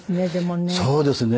そうですね。